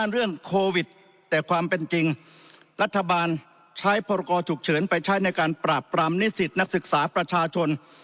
รัฐบาลใช้พรกรฉุกเฉินไปใช้ในการปราบปรามนิสิตนักศึกษาประชาชน